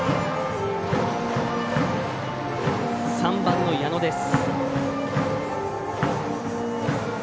３番の矢野です。